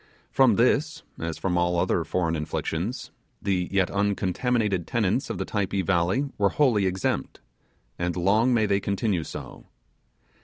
From this, as from all other foreign inflictions, the yet uncontaminated tenants of the Typee Valley were wholly exempt; and long may they continue so.